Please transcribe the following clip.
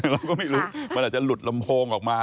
เราก็ไม่รู้มันอาจจะหลุดลำโพงออกมา